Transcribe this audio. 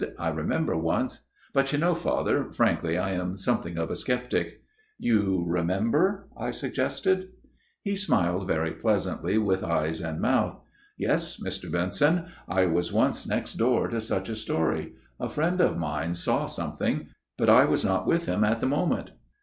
" I remember once but you know, Father, frankly I am something of a sceptic." " You remember ?" I suggested. He smiled very pleasantly with eyes and mouth. " Yes, Mr. Benson ; I was once next MR. PERCIVAL'S TALE 267 door to such a story. A friend of mine saw something ; but I was not with him at the moment."